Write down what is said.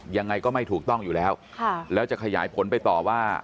ยังไงก็ไม่ถูกต้องอยู่แล้วแล้วจะขยายผลไปต่อว่า